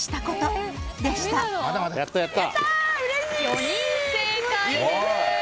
４人正解です。